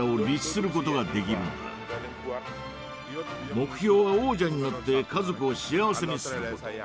目標は王者になって家族を幸せにすること。